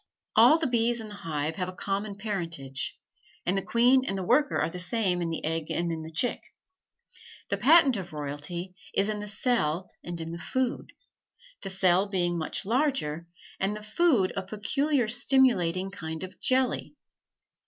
All the bees in the hive have a common parentage, and the queen and the worker are the same in the egg and in the chick; the patent of royalty is in the cell and in the food; the cell being much larger, and the food a peculiar stimulating kind of jelly.